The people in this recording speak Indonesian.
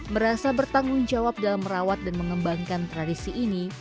merasa bertanggung jawab dalam merawat dan mengembangkan tradisi ini